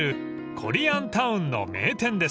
コリアタウンの名店です］